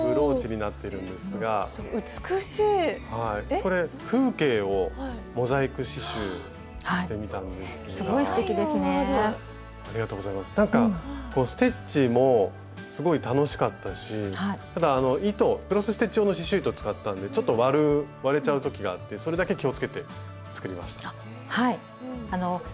なんかステッチもすごい楽しかったしただ糸クロスステッチ用の刺しゅう糸を使ったんでちょっと割れちゃう時があってそれだけ気をつけて作りました。